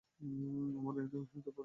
আমরা আর একে অপরের কাজে লাগব না।